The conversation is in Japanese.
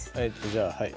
じゃあはい。